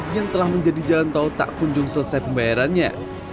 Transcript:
yang telah menjadi jalan tol tak kunjung selesai pembayarannya